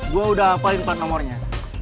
gue udah ngapain empat nomornya